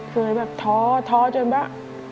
เคยแบบท้อจนว่า